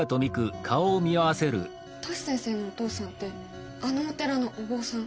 トシ先生のお父さんってあのお寺のお坊さん？